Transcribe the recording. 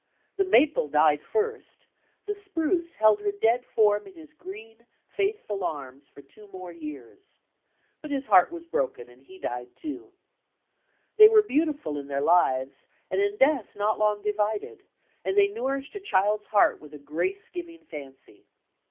The maple died first; the spruce held her dead form in his green, faithful arms for two more years. But his heart was broken and he died too. They were beaudfiil in their lives and in death not long divided; and they nourished a child's heart with a grace giving fancy.